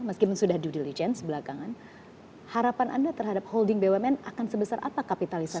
meskipun sudah due diligence belakangan harapan anda terhadap holding bumn akan sebesar apa kapitalisasi